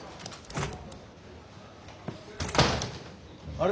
あれ？